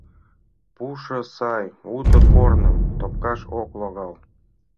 «Пушо сай, уто корным топкаш ок логал.